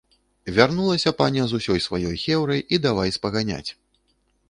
Вярнулася паня з усёй сваёй хеўрай і давай спаганяць.